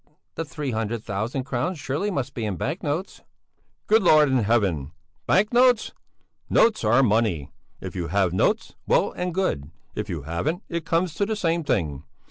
The three hundred thousand crowns surely must be in bank notes!" "Good Lord in Heaven! Bank notes? Notes are money! If you have notes, well and good; if you haven't, it comes to the same thing.